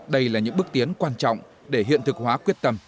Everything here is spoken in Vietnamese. đây là những bước tiến quan trọng để hiện thực hóa quyết tâm